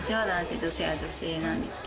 女性は女性なんですけど。